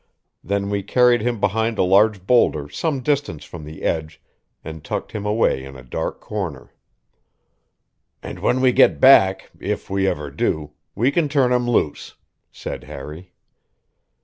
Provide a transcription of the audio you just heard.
Then we carried him behind a large boulder some distance from the ledge and tucked him away in a dark corner. "And when we get back if we ever do we can turn him loose," said Harry.